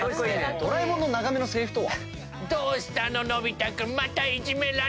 ドラえもんの長めのせりふとは？